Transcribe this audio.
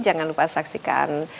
jangan lupa saksikan